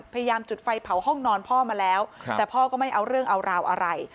พยายามจุดไฟเผาห้องนอนพ่อมาแล้วแต่พ่อก็ไม่เอาเรื่องเอาราวอะไร